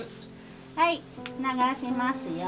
はい流しますよ。